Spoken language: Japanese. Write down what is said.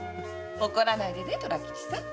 怒らないでね虎吉さん。